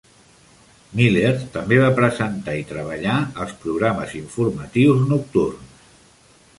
Miller també va presentar i treballar als programes informatius nocturns.